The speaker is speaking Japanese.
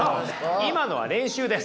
今のは練習です。